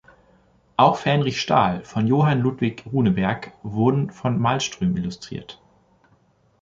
Auch "Fähnrich Stahl" von Johan Ludvig Runeberg wurden von Malmström illustriert.